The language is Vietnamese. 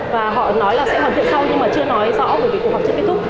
và họ nói là sẽ hoàn thiện sau nhưng mà chưa nói rõ bởi vì cuộc họp chưa kết thúc